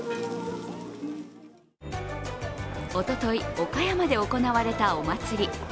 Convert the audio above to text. おととい、岡山で行われたお祭り。